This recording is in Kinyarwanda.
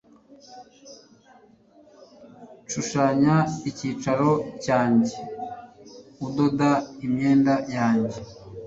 shushanya icyicaro cyanjye, udoda imyenda yanjye